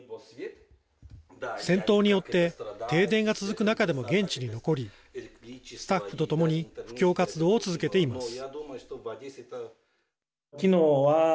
戦闘によって停電が続く中でも現地に残りスタッフと共に布教活動を続けています。